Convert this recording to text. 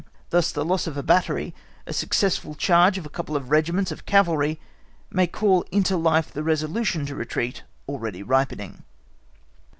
Thus the loss of a battery, a successful charge of a couple of regiments of cavalry, may call into life the resolution to retreat already ripening.